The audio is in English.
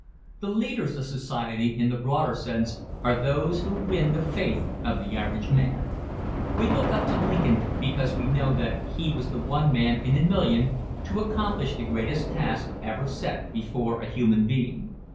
The leaders of society in the broader sense are those who win the faith of the average man. We look up to Lincoln because we know that he was the one man in a million to accomplish the greatest task ever set before a human being.